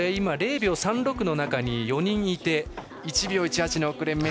０秒３６の中に４人いて１秒８１の遅れ。